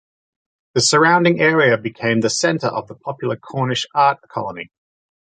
The surrounding area became the center of the popular Cornish Art Colony.